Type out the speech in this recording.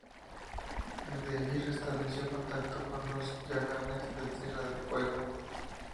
Desde allí restableció contacto con los yaganes de Tierra del Fuego.